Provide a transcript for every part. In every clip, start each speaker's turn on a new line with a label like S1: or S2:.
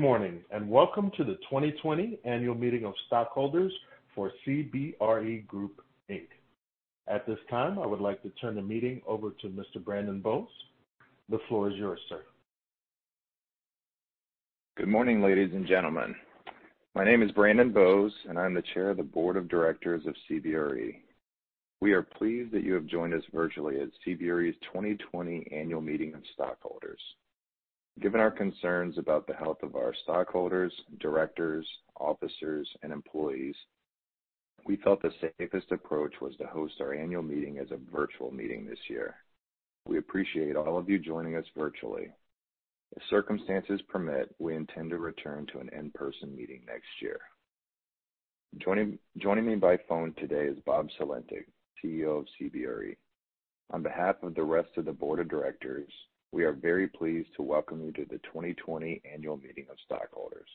S1: Good morning. Welcome to the 2020 annual meeting of stockholders for CBRE Group, Inc. At this time, I would like to turn the meeting over to Mr. Brandon Boze. The floor is yours, sir.
S2: Good morning, ladies and gentlemen. My name is Brandon Boze, and I'm the Chair of the Board of Directors of CBRE. We are pleased that you have joined us virtually at CBRE's 2020 annual meeting of stockholders. Given our concerns about the health of our stockholders, Directors, Officers, and employees, we felt the safest approach was to host our annual meeting as a virtual meeting this year. We appreciate all of you joining us virtually. If circumstances permit, we intend to return to an in-person meeting next year. Joining me by phone today is Robert Sulentic, CEO of CBRE. On behalf of the rest of the Board of Directors, we are very pleased to welcome you to the 2020 annual meeting of stockholders.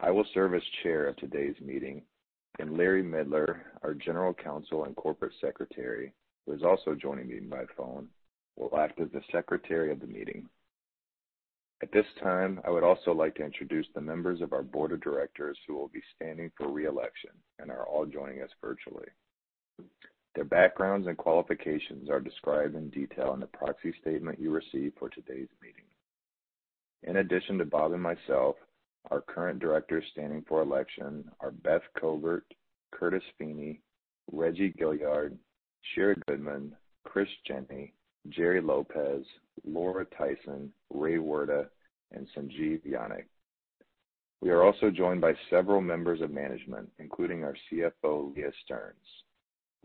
S2: I will serve as chair of today's meeting. Larry Midler, our General Counsel and Corporate Secretary, who is also joining me by phone, will act as the Secretary of the meeting. At this time, I would also like to introduce the members of our board of directors who will be standing for re-election and are all joining us virtually. Their backgrounds and qualifications are described in detail in the proxy statement you received for today's meeting. In addition to Bob and myself, our current directors standing for election are Beth Cobert, Curtis Feeny, Reggie Gilyard, Shira Goodman, Chris Gentner, Gerry Lopez, Laura Tyson, Ray Wirta, and Sanjiv Yajnik. We are also joined by several members of management, including our CFO, Leah Stearns.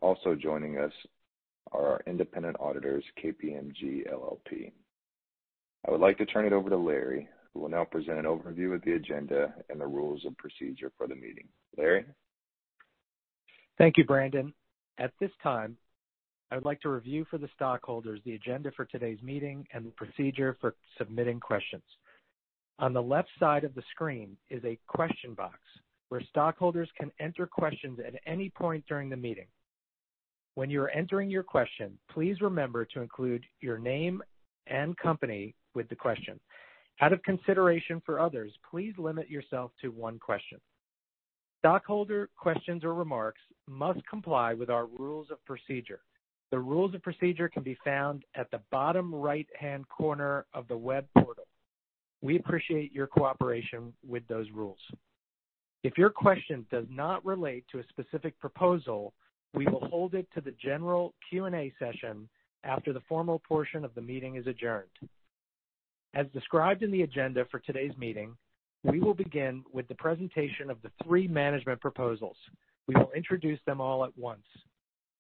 S2: Also joining us are our independent auditors, KPMG LLP. I would like to turn it over to Larry, who will now present an overview of the agenda and the rules of procedure for the meeting. Larry?
S3: Thank you, Brandon. At this time, I would like to review for the stockholders the agenda for today's meeting and the procedure for submitting questions. On the left side of the screen is a question box where stockholders can enter questions at any point during the meeting. When you're entering your question, please remember to include your name and company with the question. Out of consideration for others, please limit yourself to one question. Stockholder questions or remarks must comply with our rules of procedure. The rules of procedure can be found at the bottom right-hand corner of the web portal. We appreciate your cooperation with those rules. If your question does not relate to a specific proposal, we will hold it to the general Q&A session after the formal portion of the meeting is adjourned. As described in the agenda for today's meeting, we will begin with the presentation of the three management proposals. We will introduce them all at once.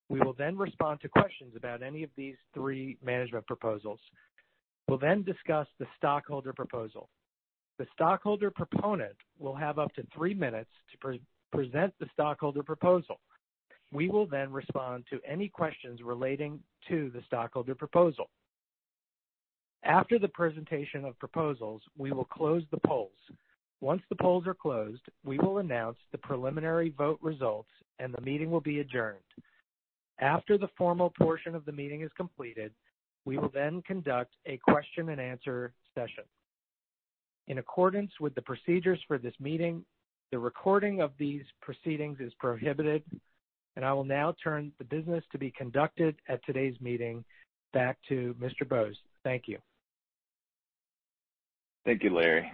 S3: We will then respond to questions about any of these three management proposals. We'll then discuss the stockholder proposal. The stockholder proponent will have up to three minutes to present the stockholder proposal. We will then respond to any questions relating to the stockholder proposal. After the presentation of proposals, we will close the polls. Once the polls are closed, we will announce the preliminary vote results, and the meeting will be adjourned. After the formal portion of the meeting is completed, we will then conduct a question and answer session. In accordance with the procedures for this meeting, the recording of these proceedings is prohibited. I will now turn the business to be conducted at today's meeting back to Mr. Boze. Thank you.
S2: Thank you, Larry.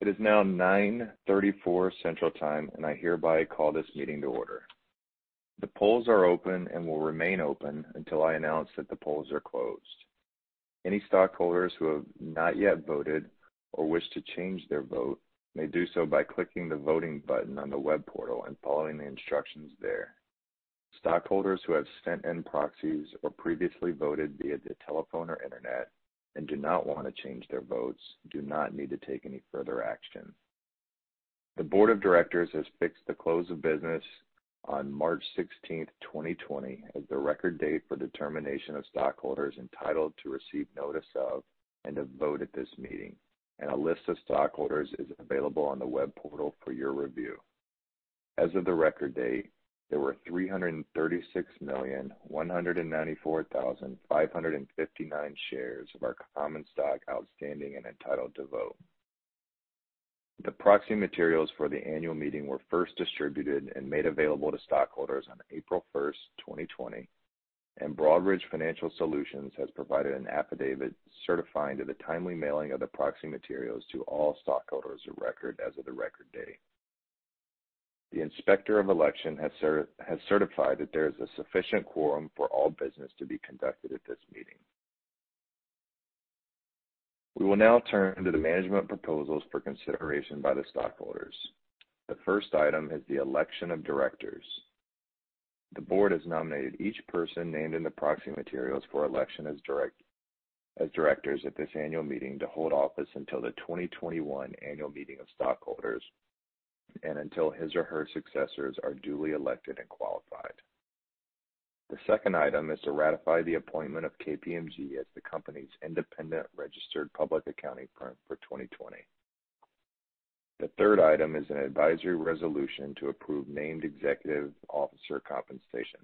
S2: It is now 9:34 A.M. central time, and I hereby call this meeting to order. The polls are open and will remain open until I announce that the polls are closed. Any stockholders who have not yet voted or wish to change their vote may do so by clicking the voting button on the web portal and following the instructions there. Stockholders who have sent in proxies or previously voted via the telephone or internet and do not want to change their votes do not need to take any further action. The board of directors has fixed the close of business on March 16th, 2020, as the record date for determination of stockholders entitled to receive notice of, and to vote at this meeting, and a list of stockholders is available on the web portal for your review. As of the record date, there were 336,194,559 shares of our common stock outstanding and entitled to vote. The proxy materials for the annual meeting were first distributed and made available to stockholders on April 1st, 2020, and Broadridge Financial Solutions has provided an affidavit certifying to the timely mailing of the proxy materials to all stockholders of record as of the record date. The inspector of election has certified that there is a sufficient quorum for all business to be conducted at this meeting. We will now turn to the management proposals for consideration by the stockholders. The first item is the election of directors. The board has nominated each person named in the proxy materials for election as directors at this annual meeting to hold office until the 2021 annual meeting of stockholders and until his or her successors are duly elected and qualified. The second item is to ratify the appointment of KPMG as the company's independent registered public accounting firm for 2020. The third item is an advisory resolution to approve named executive officer compensation.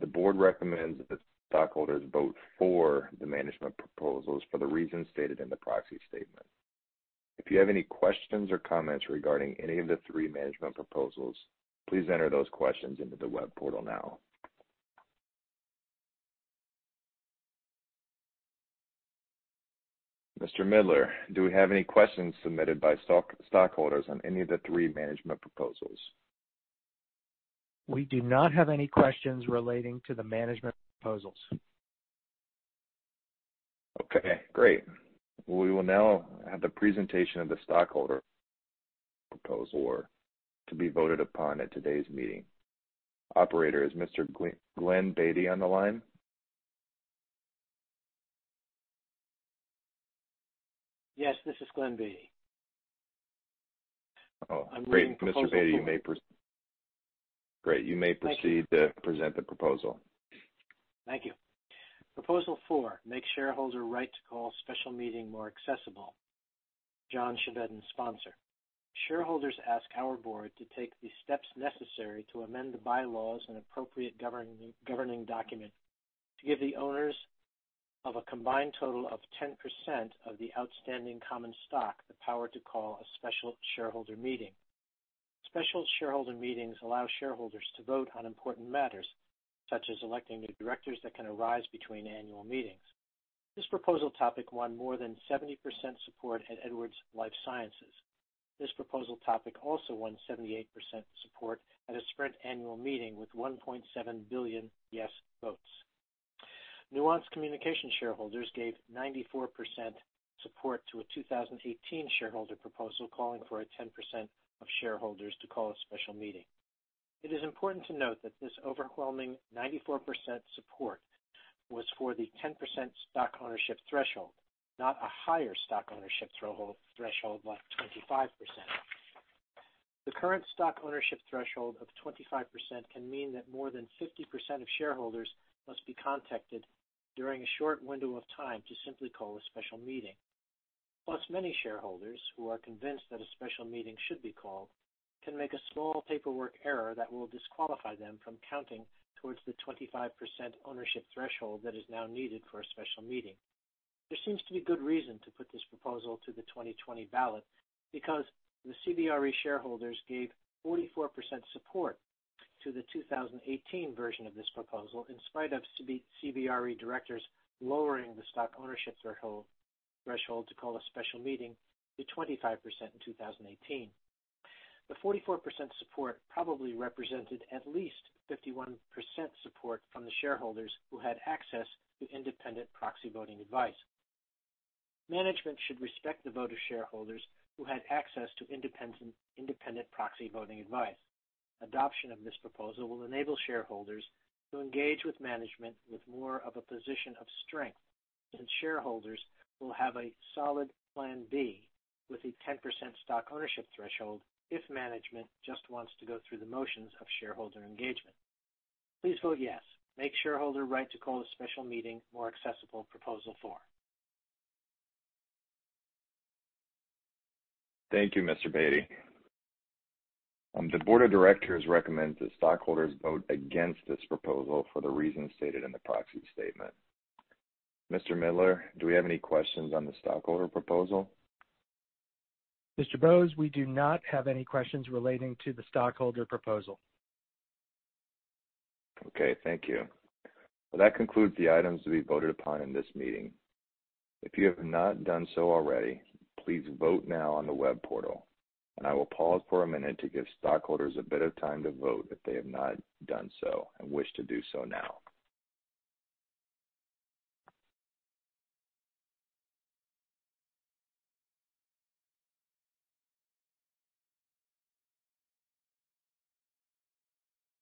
S2: The board recommends that the stockholders vote for the management proposals for the reasons stated in the proxy statement. If you have any questions or comments regarding any of the three management proposals, please enter those questions into the web portal now. Mr. Midler, do we have any questions submitted by stockholders on any of the three management proposals?
S3: We do not have any questions relating to the management proposals.
S2: Okay, great. We will now have the presentation of the stockholder proposal to be voted upon at today's meeting. Operator, is Mr. Glenn Beatty on the line?
S4: Yes, this is Glenn Beatty.
S2: Oh, great. Mr. Beatty, you may proceed to present the proposal.
S4: Thank you. Proposal 4, make shareholder right to call special meeting more accessible, John Chevedden, sponsor. Shareholders ask our board to take the steps necessary to amend the bylaws and appropriate governing document to give the owners of a combined total of 10% of the outstanding common stock the power to call a special shareholder meeting. Special shareholder meetings allow shareholders to vote on important matters, such as electing new directors that can arise between annual meetings. This proposal topic won more than 70% support at Edwards Lifesciences. This proposal topic also won 78% support at a Sprint annual meeting with 1.7 billion yes votes. Nuance Communications shareholders gave 94% support to a 2018 shareholder proposal calling for a 10% of shareholders to call a special meeting. It is important to note that this overwhelming 94% support was for the 10% stock ownership threshold, not a higher stock ownership threshold like 25%. The current stock ownership threshold of 25% can mean that more than 50% of shareholders must be contacted during a short window of time to simply call a special meeting. Many shareholders who are convinced that a special meeting should be called can make a small paperwork error that will disqualify them from counting towards the 25% ownership threshold that is now needed for a special meeting. There seems to be good reason to put this proposal to the 2020 ballot because the CBRE shareholders gave 44% support to the 2018 version of this proposal, in spite of CBRE directors lowering the stock ownership threshold to call a special meeting to 25% in 2018. The 44% support probably represented at least 51% support from the shareholders who had access to independent proxy voting advice. Management should respect the voter shareholders who had access to independent proxy voting advice. Adoption of this proposal will enable shareholders to engage with management with more of a position of strength, since shareholders will have a solid plan B with a 10% stock ownership threshold if management just wants to go through the motions of shareholder engagement. Please vote yes. Make shareholder right to call a special meeting more accessible, proposal 4.
S2: Thank you, Mr. Beatty. The board of directors recommends that stockholders vote against this proposal for the reasons stated in the proxy statement. Mr. Midler, do we have any questions on the stockholder proposal?
S3: Mr. Boze, we do not have any questions relating to the stockholder proposal.
S2: Okay, thank you. Well, that concludes the items to be voted upon in this meeting. If you have not done so already, please vote now on the web portal, and I will pause for a minute to give stockholders a bit of time to vote if they have not done so and wish to do so now.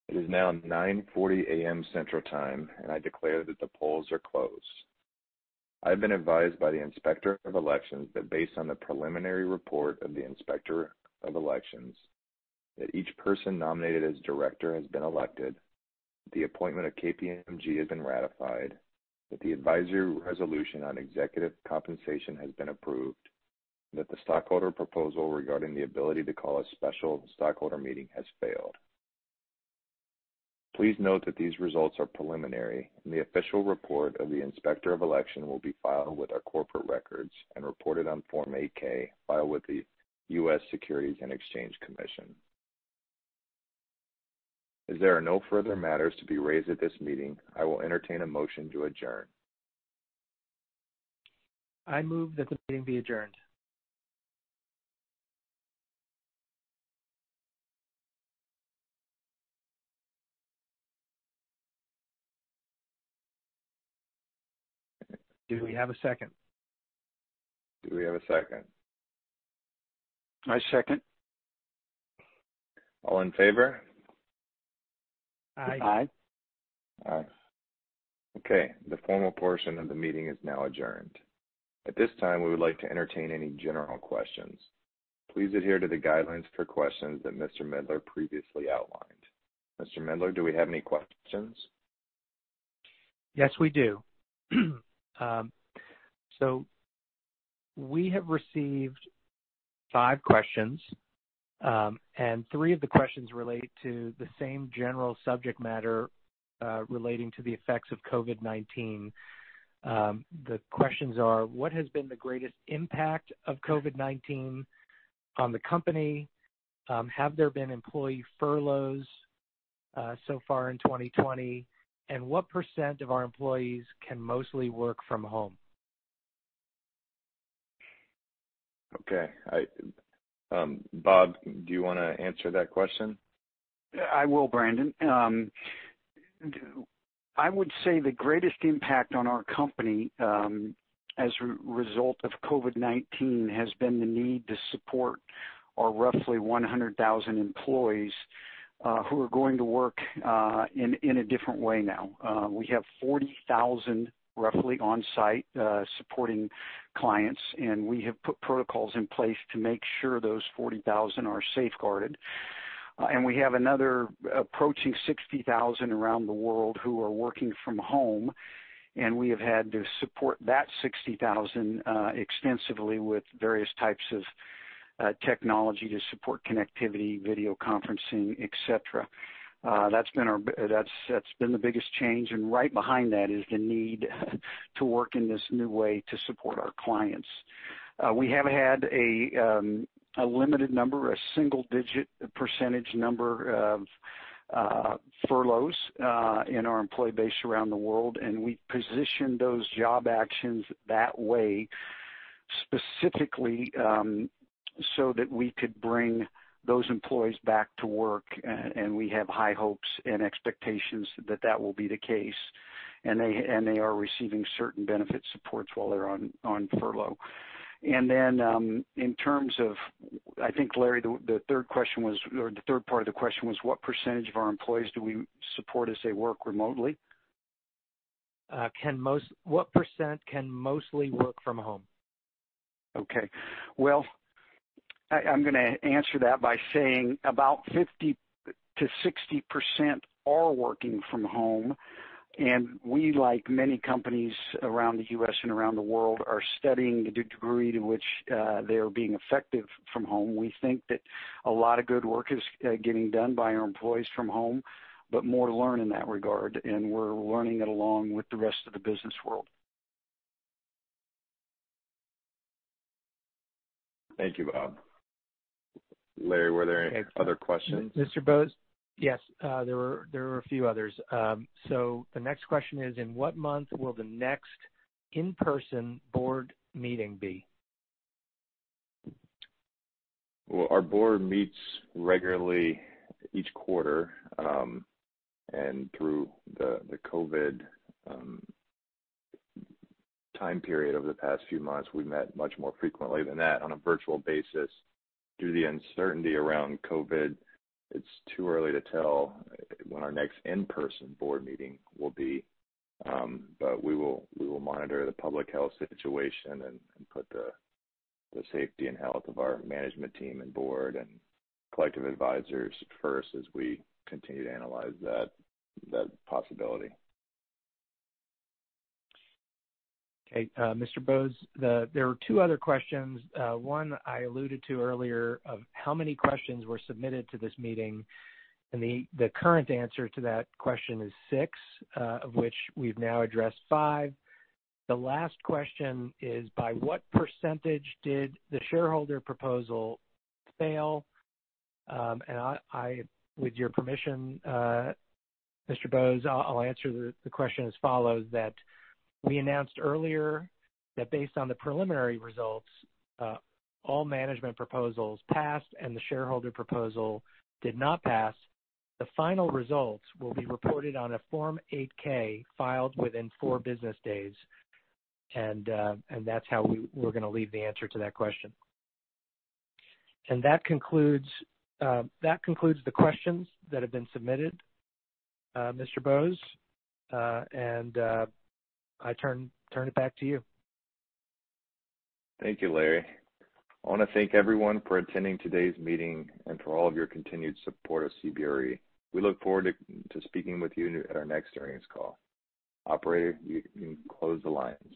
S2: It is now 9:40 A.M. Central Time, and I declare that the polls are closed. I have been advised by the Inspector of Elections that based on the preliminary report of the Inspector of Elections, that each person nominated as director has been elected, the appointment of KPMG has been ratified, that the advisory resolution on executive compensation has been approved, and that the stockholder proposal regarding the ability to call a special stockholder meeting has failed. Please note that these results are preliminary, and the official report of the Inspector of Election will be filed with our corporate records and reported on Form 8-K filed with the U.S. Securities and Exchange Commission. As there are no further matters to be raised at this meeting, I will entertain a motion to adjourn.
S3: I move that the meeting be adjourned. Do we have a second?
S2: Do we have a second?
S5: I second.
S2: All in favor?
S3: Aye.
S4: Aye.
S2: Aye. Okay, the formal portion of the meeting is now adjourned. At this time, we would like to entertain any general questions. Please adhere to the guidelines for questions that Mr. Midler previously outlined. Mr. Midler, do we have any questions?
S3: Yes, we do. We have received five questions, and three of the questions relate to the same general subject matter relating to the effects of COVID-19. The questions are. What has been the greatest impact of COVID-19 on the company? Have there been employee furloughs so far in 2020? What % of our employees can mostly work from home?
S2: Okay. Bob, do you want to answer that question?
S5: I will, Brandon. I would say the greatest impact on our company, as a result of COVID-19, has been the need to support our roughly 100,000 employees who are going to work in a different way now. We have 40,000, roughly, on-site supporting clients. We have put protocols in place to make sure those 40,000 are safeguarded. We have another approaching 60,000 around the world who are working from home. We have had to support that 60,000 extensively with various types of technology to support connectivity, video conferencing, et cetera. That's been the biggest change. Right behind that is the need to work in this new way to support our clients. We have had a limited number, a single-digit percentage number of furloughs in our employee base around the world, and we positioned those job actions that way specifically so that we could bring those employees back to work, and we have high hopes and expectations that that will be the case. They are receiving certain benefit supports while they're on furlough. Then, in terms of, I think, Larry, the third part of the question was what percentage of our employees do we support as they work remotely?
S3: What % can mostly work from home?
S5: Okay. Well, I'm going to answer that by saying about 50%-60% are working from home. We, like many companies around the U.S. and around the world, are studying the degree to which they are being effective from home. We think that a lot of good work is getting done by our employees from home, but more to learn in that regard, and we're learning it along with the rest of the business world.
S2: Thank you, Bob. Larry, were there any other questions?
S3: Mr. Boze. Yes, there were a few others. The next question is, in what month will the next in-person board meeting be?
S2: Well, our board meets regularly each quarter, and through the COVID time period over the past few months, we've met much more frequently than that on a virtual basis. Due to the uncertainty around COVID, it's too early to tell when our next in-person board meeting will be. But we will monitor the public health situation and put the safety and health of our management team and board and collective advisors first as we continue to analyze that possibility.
S3: Okay. Mr. Boze, there were two other questions. One I alluded to earlier of how many questions were submitted to this meeting, the current answer to that question is six, of which we've now addressed five. The last question is, by what percentage did the shareholder proposal fail? With your permission, Mr. Boze, I'll answer the question as follows, that we announced earlier that based on the preliminary results, all management proposals passed and the shareholder proposal did not pass. The final results will be reported on a Form 8-K filed within four business days. That's how we're going to leave the answer to that question. That concludes the questions that have been submitted, Mr. Boze, I turn it back to you.
S2: Thank you, Larry. I want to thank everyone for attending today's meeting and for all of your continued support of CBRE. We look forward to speaking with you at our next earnings call. Operator, you can close the lines.